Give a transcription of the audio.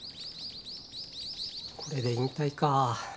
これで引退か。